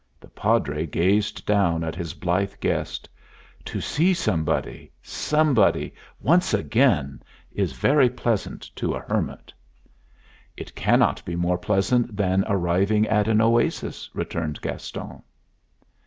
The Padre gazed down at his blithe guest. "To see somebody, somebody, once again, is very pleasant to a hermit!" "It cannot be more pleasant than arriving at an oasis," returned Gaston.